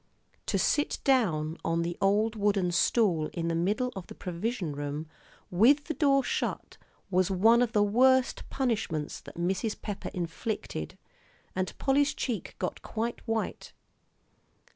To sit down on the old wooden stool in the middle of the provision room, with the door shut, was one of the worst punishments that Mrs. Pepper inflicted; and Polly's cheek got quite white.